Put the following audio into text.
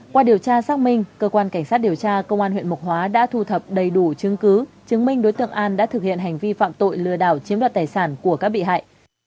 qua điều tra xác minh cơ quan cảnh sát điều tra công an huyện mộc hóa đã thu thập đầy đủ chứng cứ chứng minh đối tượng an đã thực hiện hành vi phạm tội lừa đảo chiếm đoạt tài sản của các bị hại